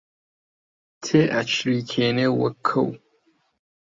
تێئەچریکێنێ وەک کەو